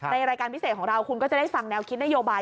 รายการพิเศษของเราคุณก็จะได้ฟังแนวคิดนโยบาย